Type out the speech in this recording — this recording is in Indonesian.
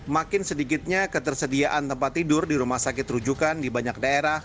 makin sedikitnya ketersediaan tempat tidur di rumah sakit rujukan di banyak daerah